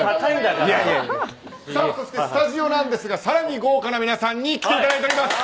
そして、スタジオなんですが更に豪華な皆さんに来ていただいております。